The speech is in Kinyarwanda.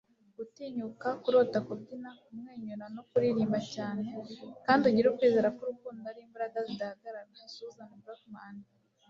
gutinyuka, kurota, kubyina, kumwenyura, no kuririmba cyane! kandi ugire kwizera ko urukundo ari imbaraga zidahagarara! - suzanne brockmann